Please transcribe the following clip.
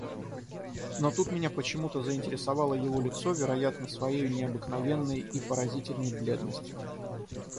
Но тут меня почему-то заинтересовало его лицо, вероятно, своею необыкновенной и поразительной бледностью.